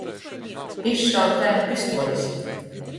Izšaut kai nu pistolis.